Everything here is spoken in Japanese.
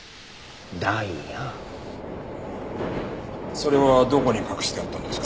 それはどこに隠してあったんですか？